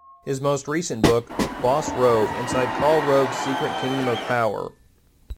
His most recent book "Boss Rove: Inside Karl Rove's Secret Kingdom of Power".